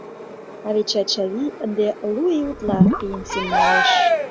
А вет Чачавий ынде лу ий утла пенсийым налеш.